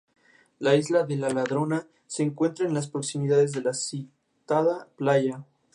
Fue nombrado Volgo-Don en homenaje al Canal Volga-Don.